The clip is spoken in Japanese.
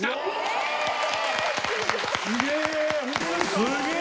すげえ！